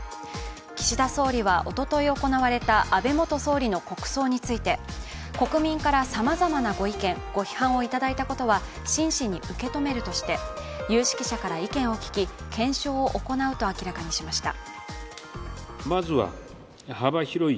岸田総理はおととい行われた安倍元総理の国葬について国民からさまざまなご意見ご批判を頂いたことは真摯に受け止めるとして、有識者から意見を聞き検証を行うと明らかにしました。